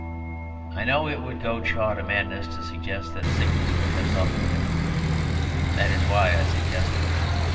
I know it would goad Shaw to madness to suggest that sickness could have softened him. That is why I suggest it.